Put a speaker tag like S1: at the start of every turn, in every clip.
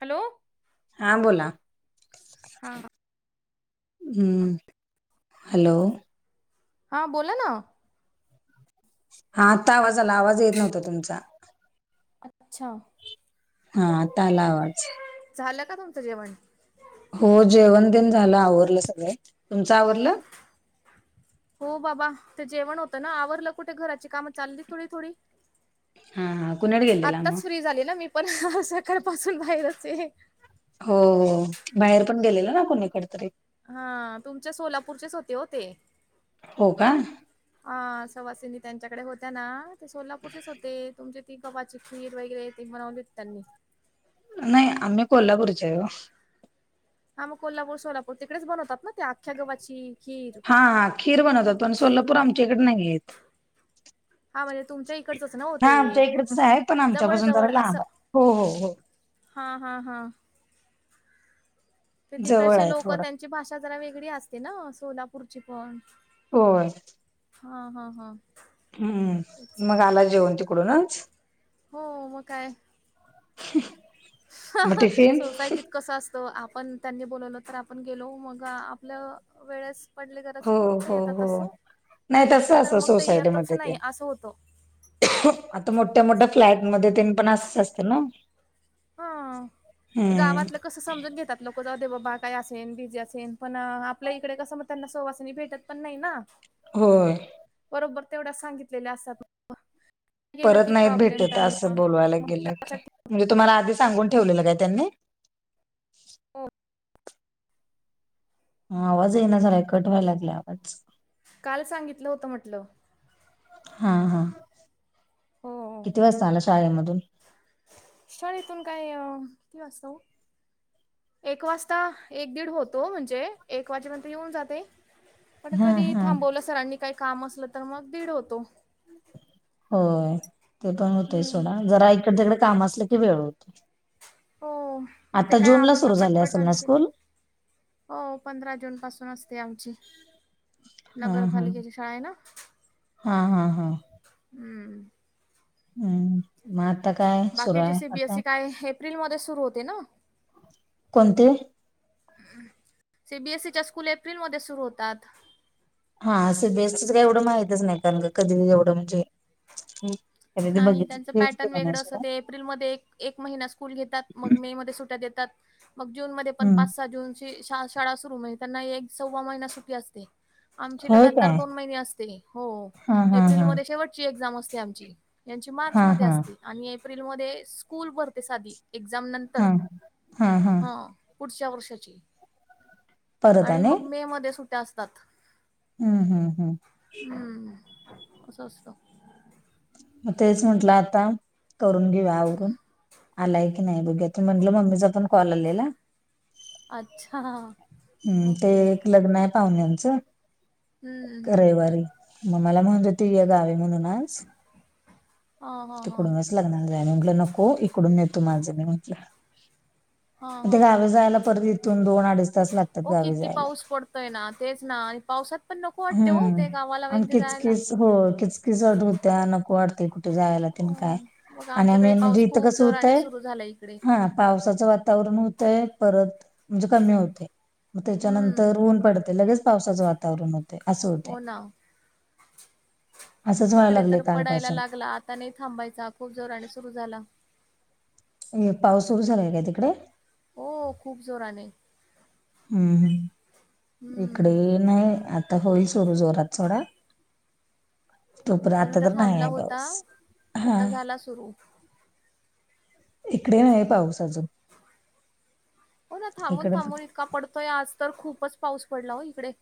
S1: Hello!
S2: हां बोला!
S1: हा हा!
S2: हूं हॅलो!
S1: हां बोला ना.
S2: हा आत्ता आवाज आला, आवाज येत नव्हता तुमचा.
S1: अच्छा.
S2: हा आता आला आवाज.
S1: झालं का तुमचं जेवण?
S2: हो जेवण तेन झालं आवरलं सगळ, तुमचं आवरलं?
S1: हो बाबा ते जेवण होतं ना आवरलं, कुठे घराची कामं चालली थोडी थोडी.
S2: हा हा कुणीकडे गेलेला मग
S1: आत्ताच फ्री झाली ना मी पण सकाळपासून बाहेरच हे.
S2: हो हो बाहेर पण गेलेल ना कुणीकड तरी.
S1: हा तुमच्या सोलापूरचेच होते ओ ते.
S2: हो का
S1: हा सवासिनी त्यांच्याकडे होत्या न, सोलापूरचेच होते. तुमचे ती गावाची खीर वगैरे ते बनवलती त्यानी
S2: नाही आम्ही कोल्हापूरचे हाय ओ
S1: हा मग कोल्हापूर सोलापूर तिकडेच बनवतात न, ते त्या आख्या गावाची
S2: हा खीर बनवतात पण सोलापूर आमच्या इकडे नाही येत.
S1: हा म्हणजे तुमच्या इकडचच
S2: हा
S1: न्हवंते
S2: आमच्या इकडचच आहे पण
S1: जवळ
S2: आमच्यापासून जरा
S1: जवळ असं
S2: लांब आहे हो हो हो
S1: हा हा हा ते
S2: जवळ
S1: तिकडचे
S2: आहे
S1: लोक
S2: थोडं
S1: त्यांची भाषा जरा वेगळी असतना ना सोलापूरची पण
S2: होय.
S1: हा हा हा तेच
S2: हम्म मग आला जेवुन तिकडूनच
S1: हो मग काय ह
S2: मग
S1: हा
S2: टिफिन
S1: सोसायटीत कसं असतो आपण त्यांनी बोलावल तर आपण गेलो मग आपल्या वेळेस त्या पडली गरज
S2: हो
S1: क मग ते
S2: हो
S1: येतात
S2: हो
S1: असो नाही
S2: तसं
S1: गेलं तर
S2: असं
S1: मग ते येतच
S2: सोसायटीमध्ये ते
S1: नाही असं होतो.
S2: आता मोठ्या मोठ्या फ्लॅट मध्ये तेन पण असच असतं ना.
S1: हा
S2: हम्म
S1: गावातलं कस समजून घेतात लोकं जउदे बाबा काय असेन बिझी असेन पण आपल्या इकडे कसं मग त्यांना सहवासनी भेटत पण नाही ना.
S2: होय.
S1: बरोबर तेवढ्या सांगितलेल्या असतात. गेलं
S2: परत
S1: की
S2: नाहीत
S1: प्रॉब्लेम
S2: भेटत
S1: त्यांना
S2: असं, बोलावायला गेल की
S1: लक्षात ठेव
S2: म्हणजे तुम्हाला आधी सांगून ठेवलेलं काय त्यांनी
S1: हो
S2: आवाज ये ना झालाय कट व्हायला लागला आवाज.
S1: काल सांगितलं होतं म्हटलं.
S2: हा हा
S1: हो
S2: किती वाजता आला शाळेमधून
S1: शाळेतून काय किती वसता वू एक वाजता एक दीड होतो म्हणजे एक वाजेपर्यंत येऊन जाते. पण
S2: हा
S1: कधी
S2: हा
S1: थांबवलं सरांनी काही काम असलं तर, मग दीड होतो.
S2: होय ते पण होतय
S1: हम्म
S2: सोडा जरा इकड तिकडे काम असलं की वेळ होतो.
S1: हो मग ते
S2: आता
S1: काय
S2: जून ला
S1: आवरलं
S2: सुरू झाले असेल ना
S1: पटपटाआणि केले.
S2: स्कूल
S1: हो पंधरा जून पासून असते आमची.
S2: हा हा
S1: नगरपालिकेची शाळा आहे ना
S2: हा हा हा
S1: हम्म
S2: हम्म म आता काय सुरू
S1: बाकीचे
S2: आहे आता.
S1: सीबीएसई काय एप्रिलमध्ये सुरू होते ना.
S2: कोणते
S1: सी बी एसी च्या स्कूल एप्रिलमध्ये सुरू होतात.
S2: हा सीबीएसई एवढं माहितच नाही कारण का कधी एवढं म्हणजे कधी ते
S1: नाही
S2: बघितलं
S1: त्यांच
S2: तेच
S1: पॅटर्न
S2: केलं नाही
S1: वेगळं असं
S2: सोडा
S1: ते एप्रिलमध्ये एक महिना स्कूल घेतात मग मे मध्ये सुट्या देतात मग जूनमध्ये पण
S2: हम्म
S1: पाच सहा जून जे श शाळा सुरु त्यांना एक सव्वा महिना सुट्टी असते. आमची
S2: होय
S1: लगातार
S2: काय
S1: दोन महिने असते हो
S2: हा हा हा
S1: एप्रिलमध्ये शेवटची एक्झाम असते आमची यांची मार्च
S2: हा
S1: मध्ये
S2: हा
S1: असतेआणि एप्रिलमध्ये स्कूल भरते साधी एक्झाम नंतर
S2: हा
S1: हा पुढच्या वर्षाची आणि मग मे मध्ये सुट्या असतात.
S2: हम्म हम्म हम्
S1: हम्म हम्म असं असंत.
S2: मग तेच म्हंटलं आता करून घेऊया आवरून. आलाय की नाही बघूया ते म्हटलं मम्मीचा पण कॉल आलेला.
S1: अच्छा!
S2: हम्म ते
S1: ओके
S2: एक लग्न आहे पाहुण्यांचं
S1: हम्म हम्म
S2: रविवारी. मग मला म्हणज तय गावी म्हणूनच.
S1: हां हां हां
S2: तिकडूनच लग्न जाऊया मी म्हटलं नको इकडून येतो माझं मी म्हटलं
S1: हां
S2: म ते
S1: हां हां
S2: गावी जायला परत इथून दोन अडीच तास लागत.
S1: ओ किती पाऊस पडतोय ना तेच ना आणि पावसात- पण नको वाटते हो
S2: हम्म
S1: ते गावाला
S2: आणि
S1: वगैरे जायला.
S2: किचकीच हो किचकीच अट होत्या नको वाटते कुठं.
S1: हो मग
S2: आणि
S1: आमच्याकडे
S2: मेन म्हणजे
S1: पाऊस
S2: इथ
S1: खूप
S2: कसं
S1: जोराने
S2: होतंय
S1: सुरू झाला इकडे
S2: हा, पावसाचं वातावरण होतय परत म्हणजे कमी होतंय. मग त्याच्यानंतर
S1: हम्म.
S2: ऊन पडते लगेच पावसाचं वातावरण होतं. असं होत
S1: हो ना
S2: असंच व्हाय
S1: इकडे
S2: लागलंय
S1: तर पडायला
S2: कालपासून,
S1: लागला आता नाही थांबायचा खूप जोराने सुरू झाला.
S2: ए पाऊस सुरू झालाय काय तिकडे?
S1: हो खूप जोराने.
S2: हम्म हम् इकडे
S1: हम्म
S2: नाही आता होईल सुरू जोरात सथोडा. तोपर आता तर नाही आहे पाऊस हा
S1: तुरू
S2: इकडे नाही पाऊस अजून-
S1: हो ना थांबून
S2: इकडे फक्त
S1: थांबून इतका पडतोय आज तर खूपच पाऊस पडला हो इकडे.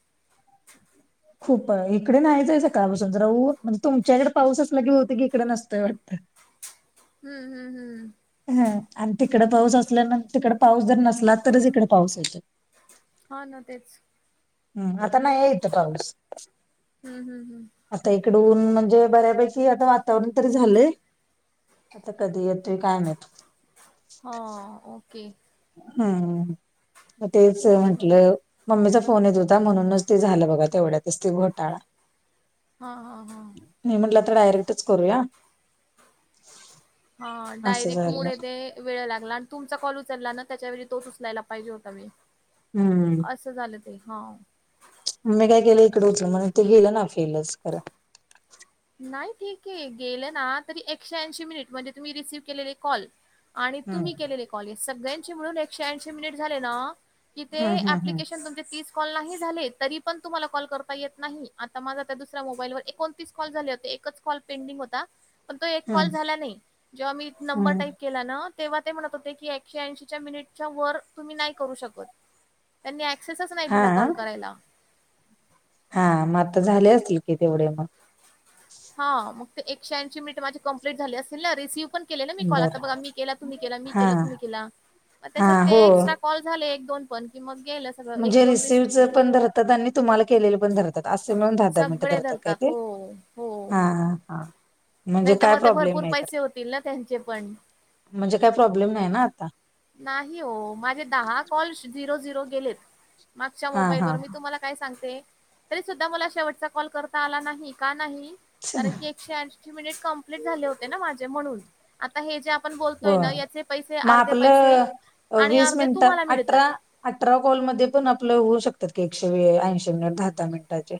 S2: खूप इकडे नाहीचंय सकाळपासून जरा ऊ म्हणजे तुमच्याकडे पाऊसचला की होत की इकडे नसतंय वाटतं.
S1: हम्म हम्म हम्म
S2: हा आणि तिकडं पाऊस असल्यानंतर तिकडं पाऊस जर नसलात तरच इकडे पाऊस येतो.
S1: हा ना तेच
S2: हम्म आता नाही इंत पाऊस.
S1: हम्म हम्म हम्म
S2: आता इकडं ऊन म्हणजे बऱ्यापैकी आता वातावरण तरी झालंय. आता कधी येतोय काय माहीत.
S1: हा ओके
S2: हम्म मग तेच
S1: ते आहे म्हणा.
S2: म्हटलं. मम्मीचा फोन येत होता, म्हणूनच ते झालं बघा तेवढ्यातच ती घोटाळा.
S1: हा हा हा
S2: मी म्हटलं आता डायरेक्टच करूया.
S1: हा
S2: असं
S1: डायरेक्ट मुड
S2: झालं
S1: ते. वेळ लागला, आणि तुमचा कॉल उचलला ना त्याच्या वेळी तोच उचलायला पाहिजे होता मी.
S2: हम्म
S1: असं झालं ते हा.
S2: मी काय केलं इकडे उचलं नाय ते गेलं ना फेलच करा.
S1: नाही ठीक आहे. गेलं ना तरी एकशे ऐंशी मिनिट म्हणजे तुम्ही रिसीव्ह केलेले कॉल. आणि
S2: हम्म
S1: तुम्ही केलेले कॉलेज सगळ्यांचे म्हणून एकशे ऐंशी मिनिट झाले ना. कि ते
S2: हम्म हम्म हम्म
S1: अप्लिकेशन तुम्हचे तीस काॅल, कॉल नाही झाले, तरी पण तुम्हाला कॉल करता येत नाही आता माझा त्या दुसऱ्या मोबाईलवर एकोणतीस कॉल- [inaudible] हा
S2: हम्म हम्म.
S1: [inaudible] ना तेव्हा ते म्हणत होते की एकशे ऐंशीच्या मिनिटच्या वर तुम्ही नाही करू शकत. त्यांनी ऍक्सेसच नाही.
S2: हा
S1: दिला कॉल करायला.
S2: हा मग आता झाले असतील की तेवढे मग.
S1: हा मग ते एकशेऐंशी मिनिट माझी [inaudible] कं्प्लीट झाली असतील ना रिसीव्ह [inaudible] प केले ना मी कॉल
S2: बर
S1: आता बघ मी केला, तुम्ही केला, मी
S2: हा
S1: के [inaudible] तुम्ही केला. मग
S2: हा
S1: त्याच्यात
S2: हो
S1: ते एक्स्ट्रा कॉल झाले एक, दोन पण कि मग गेल.
S2: म्हणजे रिसीव्हच पण धरतात आणि तुम्हाला केलेले पण धरतात असे मिळून दहा, दहा मिनिटं
S1: सगळे
S2: धरतात काय ते?
S1: हो हो.
S2: हा. हा. [inaudible] म्हणजे
S1: नाही तर
S2: काय
S1: मग ते
S2: प्रॉब्लेम
S1: भरपूर
S2: नाही तर
S1: पैसे होतील ना त्यांचे पण
S2: म्हणजे, काय प्रॉब्लेम नाही ना आता.
S1: नाही हो माझे दहा कॉल झिरो झिरो गेलेत मागच्या
S2: हा हा
S1: मोबाईलवर मी तुम्हाला काय सांगते तरी सुद्धा मला शेवटचा कॉल करता आला नाही का नाही
S2: छ,
S1: कारण [inaudible] क एकशे [inaudible] कंप्लीट झाले होते ना माझे म्हणून. आता हे जे आपण
S2: हो
S1: बोलतोय ना. याचे पैसे
S2: मग
S1: अर्धे पैसे
S2: आपलं
S1: आणि अर्धे तुम्हाला मिळतात.
S2: अठरावा कॉलमध्येध्ये पण आपलं होऊ शकतात की एकशे ऐंशे मिनिट दहा दहा मिनिटाचे.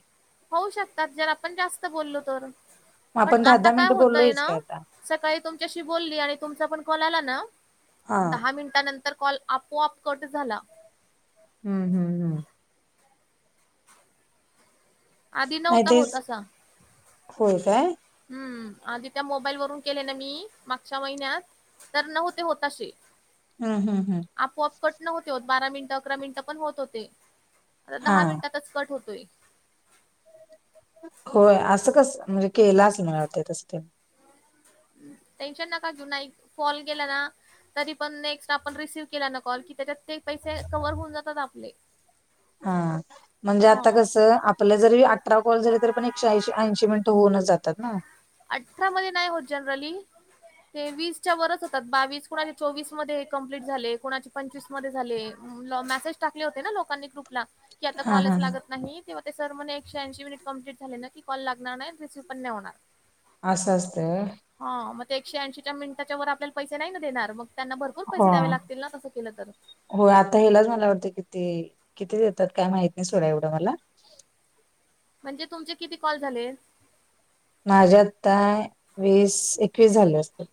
S1: होऊ शकतात जर आपण जास्त बोललो तर
S2: मग
S1: पण
S2: आपण दहा
S1: आता
S2: दहा
S1: काय
S2: मिनिटं
S1: होतय
S2: बोललोयच
S1: ना
S2: की आता
S1: सकाळी तुमच्याशी बोलली आणि तुमचा पण कॉल आला ना.
S2: हा
S1: दहा मिनिटानंतर कॉल आप हो [inaudible] अपकट झाला.
S2: हम्म. हम्म. हम्
S1: आधी
S2: नाही
S1: नव्हता होत
S2: तेच
S1: असा.
S2: होय काय.
S1: हम्म, आधी त्या मोबाईल वरून केले ना मी मागच्या महिन्यात. तर नव्हते होताशी.
S2: [inaudible] हम हम्
S1: आपोआप कट न होते हो बारा मिनिट अकरा मिनिटं पण होत होते. आ
S2: हा
S1: दहा मिनिट. [inaudible] कटकट होतोय.
S2: होय असं कस म्हणजे केलाच [inaudible] मिळत [inaudible] तसते
S1: टेन्शन नाका [inaudible] जुना एक फॉल गेला ना तरी पण नेक्स्ट आपण रिसिव्ह केला ना कॉल कि त्याच्यात ते पैसे कवर्ह होऊन जातात आपले.
S2: हा. म्हणजे आता
S1: हां.
S2: कसं. आपले जरी अठरा कॉल झाली. तरी पण एकशेऐंशी ऐंशी मिनिटं होऊनच जातात ना.
S1: अठरा मध्ये नाही होत. जनरली ते वीसच्या वरच होतात बावीस कोणाचे चोवीस मध्ये कंप्लीट झाले. कोणाचे पंचवीस [inaudible] म टाक होते लोकांनी ग्रुप क आता
S2: हा
S1: कॉले
S2: हा
S1: लागत नाही. [inaudible] ते ते [inaudible] सरण एके ऐंशी मिनिट कंप्ली झाले की कॉ लागणार नाही आणि रिसीव पण नाही होणार.
S2: असं असत.
S1: हा मग ते एकशे ऐंशीच्या मिनिटाच्या वर आपल्याला पैसे नाही ना देणार मग. त्यांना भरपूर पैसे द्यावे लागतील ना. तसं केलं तर.
S2: हो आता हेलाच मला वाटतं किती, किती देतात काय माहित नाही. सोड्या एवढं मला
S1: म्हणजे, तुमचे किती कॉल झाले?
S2: माझ्या आत्ताय वीस एकवीस झाले [inaudible] असतात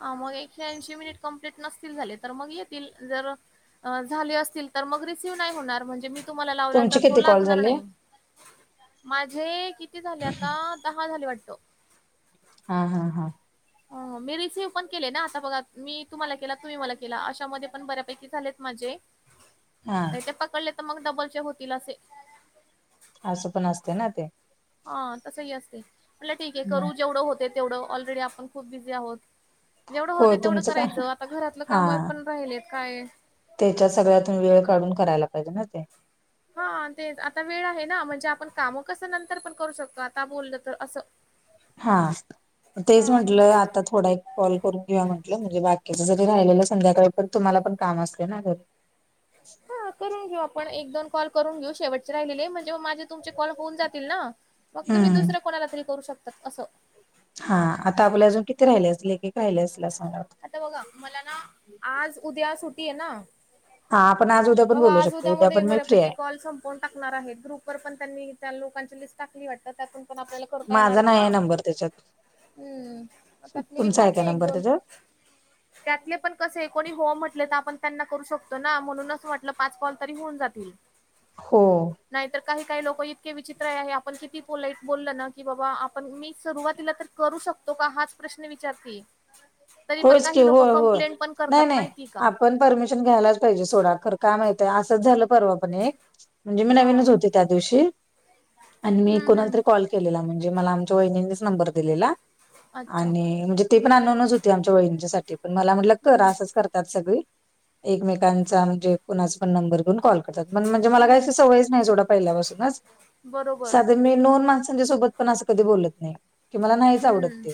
S1: हा मग एकशे ऐंशी मिनिट कंप्लीट नसतील झाले. तर मग येतील जर झाली असतील तर मग रिसिव नाही होणार म्हणजे, मी तुम्हाला लावला तर
S2: तुमचे
S1: तो
S2: किती कॉल
S1: लागणार
S2: झाले?
S1: नाही. माझे किती झाले, आता दहा झाले वाटतो.
S2: हा हा हा
S1: मी रिसीव्ह पण केले ना आता बघा मी तुम्हाला केला तुम्ही मला केला अशामध्ये पण बऱ्यापैकी झालेच माझे.
S2: हा
S1: नाही ते पकडले तर मग डबलचे होतील असे.
S2: असं पण असते ना ते
S1: हा तसही असते म्हट ठीक आहे
S2: हं.
S1: करू जेवढं होते तेवढं ऑलरेडी आपण खूप बिझी आहोत जेवढं होते
S2: होय
S1: तेवढं
S2: तुमचं का
S1: करायचं आता घरातलं काम पण राहिलेत काय
S2: त्याच्या सगळ्यातून वेळ काढून करायला पाहिजे ना ते
S1: हा ते आता वेळ आहे ना म्हणजे आपण काम कसं नंतर पण करू शकतो आता बोललं तर असं
S2: हा तेच
S1: हा मग
S2: म्हटलं आता थोडा कॉल करून किंवा म्हटलं म्हणजे बाकीच जरी राहिलेलं संध्याकाळी पण तुम्हाला पण काम असते ना घरी [inaudible] ह
S1: हां, करून घेऊ आपण एक दोन कॉल करून घेऊ शेवटचे राहिले म्हणजे माझे तुमचे कॉल होऊन जातील ना मग तुम्ही
S2: हम्म
S1: दुसऱ्या कोणाला तरी करू शकतात असं
S2: हा आता आपल्याला अजून किती राहिले असल एक एक राहिले असेल असं मला वाटतं.
S1: आता बघा मला ना आज उद्या सुटी आहे ना,
S2: हा आपण आज उद्या पण
S1: मग
S2: बोलू
S1: आज
S2: शकतो उद्या
S1: उद्यामध्ये
S2: पण मी फ्री
S1: बऱ्यापैकी
S2: आहे
S1: कॉल [inaudible] सं कोण टाकणार आहे ग्रुप वर पण त्यांनी त्या लोकांची लिस्ट टाकली वाटत त्यातून पण आपल्याला करता येणार
S2: माझा नाही
S1: ना्
S2: आहे नंबर त्याच्यात
S1: हम त्यात मी
S2: तुमचा आहे काय
S1: विचारते एक
S2: नंबर
S1: दोन
S2: त्याच्यात
S1: त्यातले पण कसे कोणी हो म्हटले तर आपण त्यांना करू शकतो ना म्हणून असं म्हटलं पाच कॉल तरी होऊन जातील.
S2: हो
S1: नाहीतर काही काही लोक इतके विचित्र आहे आपण किती बोललं ना की बाबा आपण मी सुरुवातीला तर करू शकतो का हाच प्रश्न विचारते. तरी पण
S2: होयच की
S1: काही लोक
S2: होय होय
S1: कंप्लेंट पण
S2: नाही
S1: करतात
S2: नाही
S1: माहिती का?
S2: आपण परमिशन घ्यायलाच पाहिजे सोडा खर काय माहितय असंच झालं परवा पण एक म्हणजे मी
S1: हा
S2: नवीनच होते त्या दिवशी आणि मी
S1: हम्म
S2: कोणाला
S1: हम्म
S2: तरी कॉल केलेला म्हणजे मला आमच्या वहिणींनी नंबर दिलेला
S1: अच्छा
S2: आणि ते पण अनोनच होते. आमच्या वहिनीच्या साठी पण मला म्हंटलं कर
S1: हम्म
S2: असंच करतात सगळी एकमेकांचा म्हणजे कुणाचा पण नंबर घेऊन कॉल पण म्हणजे मला काय
S1: हम्म
S2: सवंयच नाही सोडा पहिल्यापासूनच
S1: बरोबर
S2: साधं मी नोन माणसांच्या सोबत पण असं कधी बोलत नाही. कि मला नाहीच आवडत
S1: हम्म
S2: ते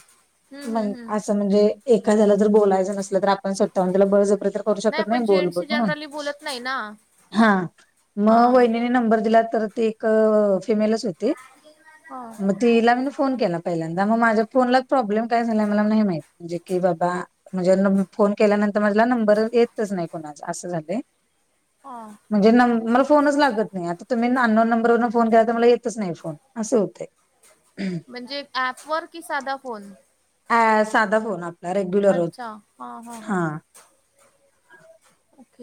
S1: हम्म हम्म हम्म
S2: असं म्हणजे एखा्याला जर बोलायच नसल तर आपण स्वतः हून त्याला बळजबरी करू शकत
S1: आपण
S2: नाही बोल
S1: जेंट्सशी
S2: म्हणून
S1: जनरली बोलत नाही ना
S2: हा मग
S1: हां
S2: वहिनींनी नंबर दिला तर ते एक फिमेलच होती.
S1: हा
S2: तीला मी फोन केला पहिल्यांदा मग माझ्या फोनला प्रॉब्लेम काय झालाय मला हे माहित म्हणजे की बाबा म्हणजे फोन केल्यानंतर माझला नंबर येतच नाही कोणाच असं झालंय.
S1: हा
S2: म्हणजे न मला फोनच लागत नाही आता तुम्ही अ नोन नंबरवरून फोन केलाय तर मला येतच नाही फोन अस होतय.
S1: म्हणजे ऍपवरर की साधा फोन
S2: अ साधा फोन वर
S1: अच्छा हा हा हा ओके